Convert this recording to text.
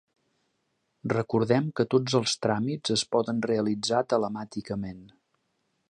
Recordem que tots els tràmits es poden realitzar telemàticament.